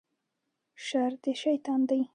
شر د شیطان دی